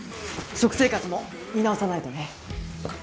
食生活も見直さないとね。